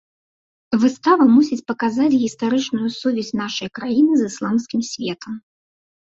Выстава мусіць паказаць гістарычную сувязь нашай краіны з ісламскім светам.